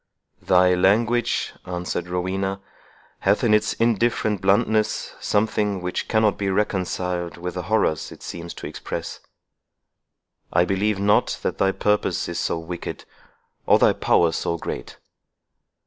"Thy language," answered Rowena, "hath in its indifferent bluntness something which cannot be reconciled with the horrors it seems to express. I believe not that thy purpose is so wicked, or thy power so great."